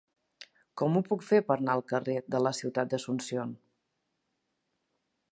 Com ho puc fer per anar al carrer de la Ciutat d'Asunción?